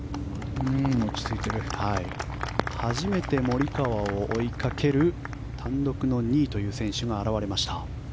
初めてモリカワを追いかける単独の２位という選手が現れました。